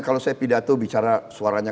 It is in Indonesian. kalau saya pidato bicara suaranya